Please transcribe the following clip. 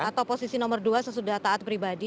atau posisi nomor dua sesudah taat pribadi